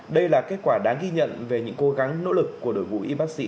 đây là kết quả đáng ghi nhận về những cố gắng nỗ lực của đội ngũ y bác sĩ